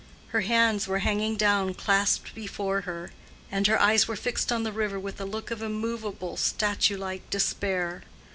Her hands were hanging down clasped before her, and her eyes were fixed on the river with a look of immovable, statue like despair.